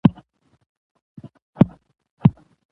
بامیان د افغانستان د ولایاتو په کچه توپیر لري.